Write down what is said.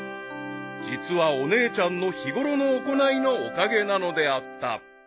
［実はお姉ちゃんの日頃の行いのおかげなのであった］